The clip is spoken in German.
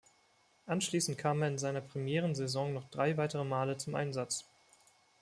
Anschließend kam er in seiner Premierensaison noch drei weitere Male zum Einsatz.